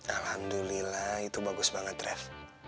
alhamdulillah itu bagus banget ref